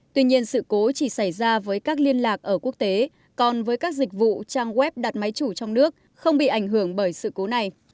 tuy nhiên sự cố chỉ xảy ra với các liên lạc ở quốc tế còn với các dịch vụ trang web đặt máy chủ trong nước không bị ảnh hưởng bởi sự cố này